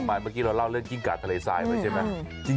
เมื่อกี้เราเล่าเรื่องกิ้งกาดทะเลทรายไว้ใช่ไหม